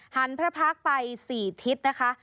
พระพักษ์ไป๔ทิศนะคะ